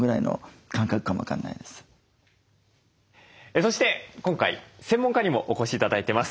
そして今回専門家にもお越し頂いてます。